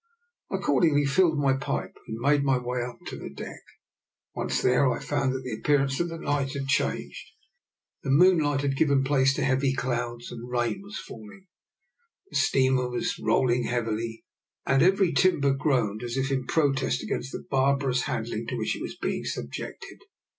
I ac cordingly filled my pipe and made my way to the deck. Once there, I found that the appearance of the night had changed; the moonlight had given place to heavy clouds, and rain was falling. The steamer was still rolling heavily, and every timber groaned as if in protest against the barbarous handling to which it was being subjected.